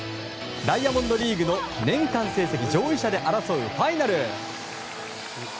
ダイヤモンドリーグの年間成績上位者で争うファイナル。